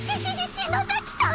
篠崎さん